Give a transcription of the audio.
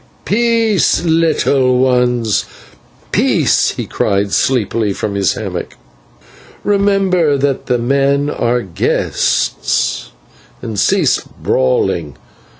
"Peace, little ones, peace!" he cried sleepily from his hammock. "Remember that the men are guests, and cease brawling.